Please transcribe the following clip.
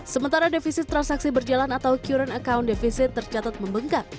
sementara defisit transaksi berjalan atau current account defisit tercatat membengkak